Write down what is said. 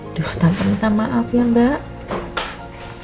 aduh tante minta maaf ya mbak